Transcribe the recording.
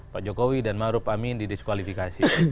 pak jokowi dan ma'ruf amin didiskualifikasi